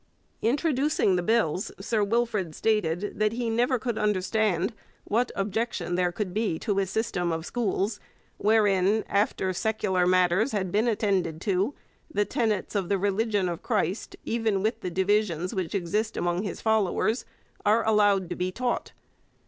Introducing the bills, Sir Wilfrid stated that he 'never could understand what objection there could be to a system of schools wherein, after secular matters had been attended to, the tenets of the religion of Christ, even with the divisions which exist among His followers, are allowed to be taught.'